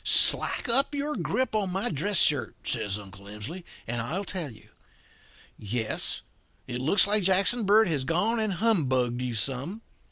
"'Slack up your grip in my dress shirt,' says Uncle Emsley, 'and I'll tell you. Yes, it looks like Jackson Bird has gone and humbugged you some.